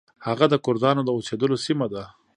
هغه د کردانو د اوسیدلو سیمه ده.